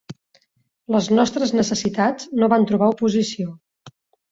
Les nostres necessitats no van trobar oposició.